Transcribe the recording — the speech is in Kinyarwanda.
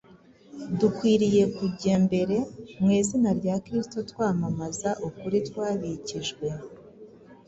Dukwiriye kujya mbere mu izina rya Kristo twamamaza ukuri twabikijwe.